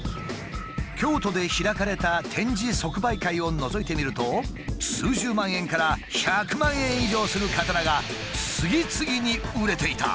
京都で開かれた展示即売会をのぞいてみると数十万円から１００万円以上する刀が次々に売れていた。